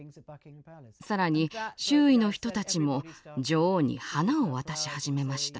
更に周囲の人たちも女王に花を渡し始めました。